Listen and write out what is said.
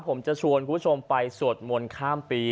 ผมจะชวนคุณผู้ชมไปสวดมนต์ข้ามปี